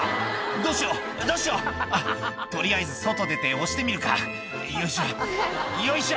「どうしようどうしようあっ取りあえず外出て押してみるかよいしょよいしょ！」